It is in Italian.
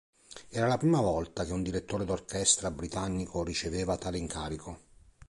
Era la prima volta che un direttore d'orchestra britannico riceveva tale incarico.